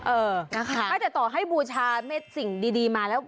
เออนะคะไม่แต่ต่อให้บูชาเม็ดสิ่งดีมาแล้ว